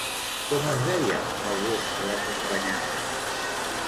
Com es deia el gos que l'acompanyava?